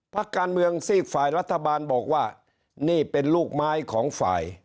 พักการเมืองซีกฝ่ายรัฐบาลบอกว่านี่เป็นลูกไม้ของฝ่าย